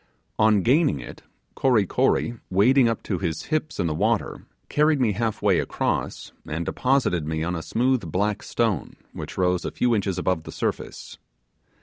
On gaining it, Kory Kory, wading up to his hips in the water, carried me half way across, and deposited me on a smooth black stone which rose a few inches above the surface.